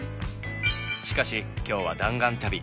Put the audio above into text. しかし今日は弾丸旅。